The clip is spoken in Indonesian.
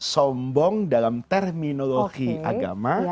sombong dalam terminologi agama